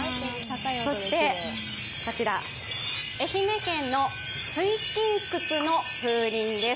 そして、愛媛県の水琴窟の風鈴です